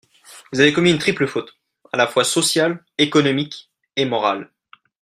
Vous avez commis une triple faute, à la fois sociale, économique, et morale.